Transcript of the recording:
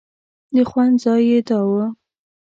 د خوند ځای یې دا و.